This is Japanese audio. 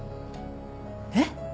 えっ？